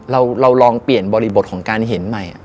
เราลองเปลี่ยนบริบทของการเห็นใหม่